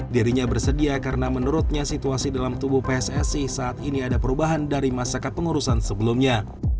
dirinya bersedia karena menurutnya situasi dalam tubuh pssi saat ini ada perubahan dari masa kepengurusan sebelumnya